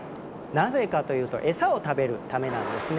なぜかというとエサを食べるためなんですね。